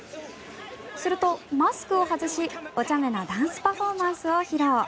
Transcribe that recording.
すると、マスクを外しお茶目なダンスパフォーマンスを披露。